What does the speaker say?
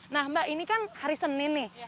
nah mbak ini kan hari senin nih